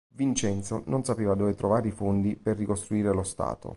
Vincenzo non sapeva dove trovare i fondi per ricostruire lo Stato.